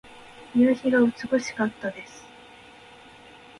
夕日が美しかったです。